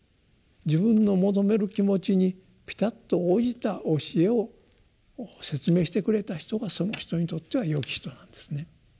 自分の求める気持ちにぴたっと応じた教えを説明してくれた人がその人にとっては「よき人」なんですね。